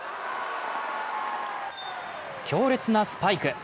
強烈なスパイク。